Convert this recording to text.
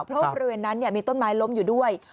เพราะบริเวณนั้นมีต้นไม้ล้มอยู่ด้วย